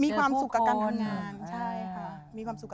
มีความสุขกับการทำงานมาก